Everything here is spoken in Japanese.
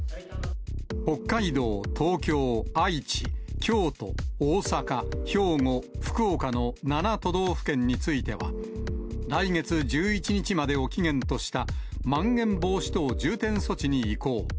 北海道、東京、愛知、京都、大阪、兵庫、福岡の７都道府県については、来月１１日までを期限としたまん延防止等重点措置に移行。